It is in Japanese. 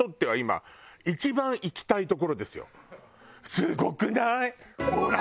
すごくない？ほら！